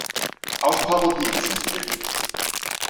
Auch Parodien sind beliebt.